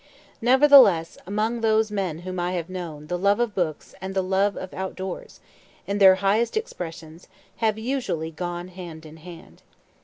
Nevertheless among those men whom I have known the love of books and the love of outdoors, in their highest expressions, have usually gone hand in hand.